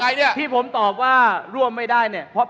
คุณจิลายุเขาบอกว่ามันควรทำงานร่วมกัน